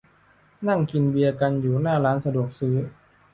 นั่งกินเบียร์กันอยู่หน้าร้านสะดวกซื้อ